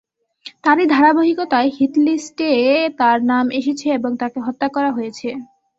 তারই ধারাবাহিকতায় হিটলিস্টে তাঁর নাম এসেছে এবং তাঁকে হত্যা করা হয়েছে।